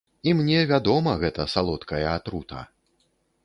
І мне вядома гэта салодкая атрута!